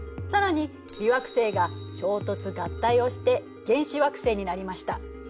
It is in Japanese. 更に微惑星が衝突・合体をして原始惑星になりました。